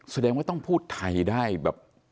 แสดงว่าต้องพูดไทยได้แบบ